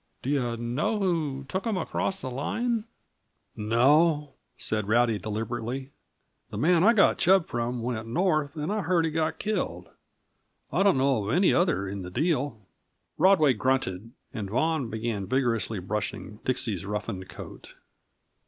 Do yu know who took 'em across the line?" "No," said Rowdy deliberately. "The man I got Chub from went north, and I heard he got killed. I don't know of any other in the deal." Rodway grunted, and Vaughan began vigorously brushing Dixie's roughened coat.